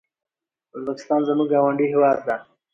ازبکستان زموږ ګاونډی هيواد ده